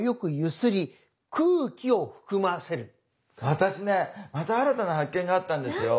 私ねまた新たな発見があったんですよ。